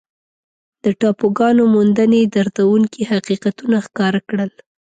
د ټاپوګانو موندنې دردونکي حقیقتونه ښکاره کړل.